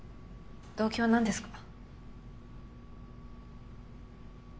動機は何ですか？